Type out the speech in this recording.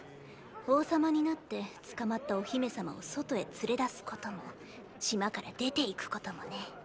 王様になって捕まったお姫様を外へ連れ出すことも島から出ていくこともね！